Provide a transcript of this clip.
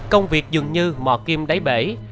công việc dường như mò kim đáy bể